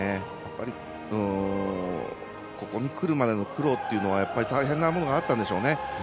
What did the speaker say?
ここにくるまでの苦労というのは大変なものがあったんでしょうね。